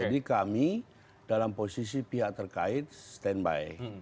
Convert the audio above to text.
jadi kami dalam posisi pihak terkait stand by